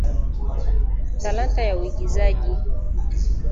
Talanta ya uigizaji